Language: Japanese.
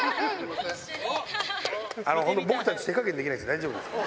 本当、僕たち手加減できないですけど、大丈夫ですか？